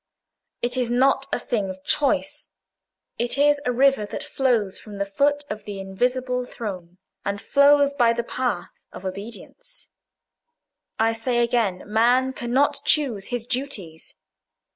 It is not a thing of choice: it is a river that flows from the foot of the Invisible Throne, and flows by the path of obedience. I say again, man cannot choose his duties.